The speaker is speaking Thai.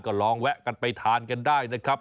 ก็ลองแวะกันไปทานกันได้นะครับ